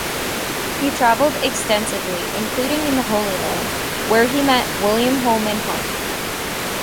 He travelled extensively, including in the Holy Land, where he met William Holman Hunt.